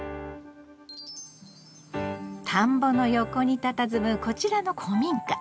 田んぼの横にたたずむこちらの古民家。